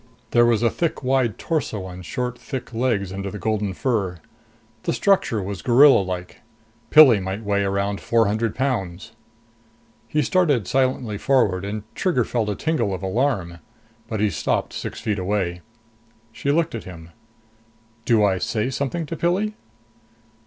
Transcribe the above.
There was a thick wide torso on short thick legs under the golden fur. The structure was gorilla like. Pilli might weigh around four hundred pounds. He started silently forward and Trigger felt a tingle of alarm. But he stopped six feet away. She looked at him. "Do I say something to Pilli?"